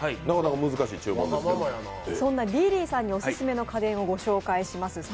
そんなリリーさんにオススメの家電をご紹介します。